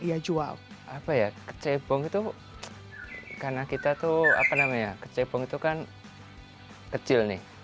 iya jual apa ya kecebong itu karena kita tuh apa namanya kecebong itu kan kecil nih